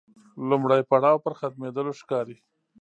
لومړی پړاو پر ختمېدلو ښکاري.